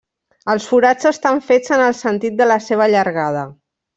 Els forats estan fets en el sentit de la seva llargada.